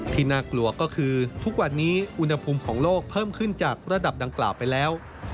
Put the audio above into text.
ที่น่ากลัวก็คือทุกวันนี้อุณหภูมิของโลกเพิ่มขึ้นจากระดับดังกล่าวไปแล้ว